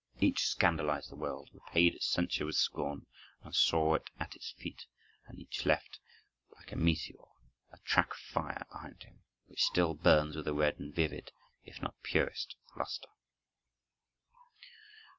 Each scandalized the world, repaid its censure with scorn, and saw it at his feet; and each left, like a meteor, a track of fire behind him, which still burns with a red and vivid, if not the purest, luster.